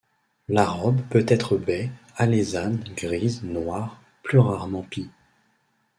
La robe peut être baie, alezane, grise, noire, plus rarement pie.